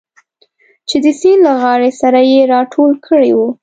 چې د سیند له غاړې سره یې راټول کړي و.